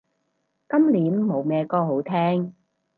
今年冇咩歌好聼